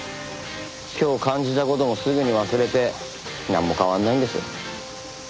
今日感じた事もすぐに忘れてなんも変わらないんです。